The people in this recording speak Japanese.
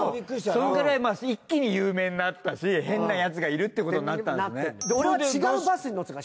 そんくらい一気に有名になったし変なやつがいるっていうことになったんですね。